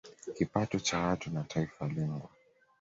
kipato cha watu na taifa lengwa